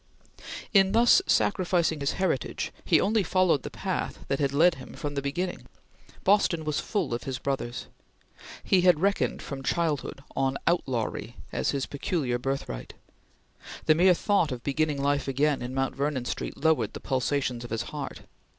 In thus sacrificing his heritage, he only followed the path that had led him from the beginning. Boston was full of his brothers. He had reckoned from childhood on outlawry as his peculiar birthright. The mere thought of beginning life again in Mount Vernon Street lowered the pulsations of his heart.